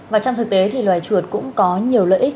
và trong thực tế thì loài chuột cũng có nhiều lợi ích